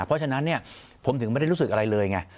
เพราะฉะนั้นผมถึงไม่ได้รู้สึกอะไรเลยไง